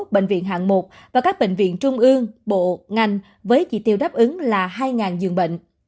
bệnh viện hạng một và các bệnh viện trung ương bộ ngành với chỉ tiêu đáp ứng là hai giường bệnh